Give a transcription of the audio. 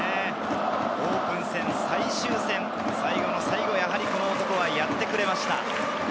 オープン戦最終戦、最後の最後、やはりこの男はやってくれました。